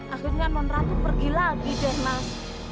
akhirnya nonratu pergi lagi deh mas